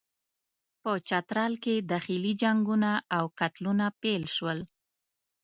په چترال کې داخلي جنګونه او قتلونه پیل شول.